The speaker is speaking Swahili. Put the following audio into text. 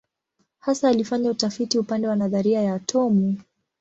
Hasa alifanya utafiti upande wa nadharia ya atomu.